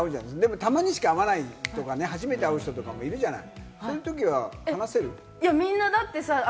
でも、たまにしか会わないとかね、初めて会う人とかいるじゃない。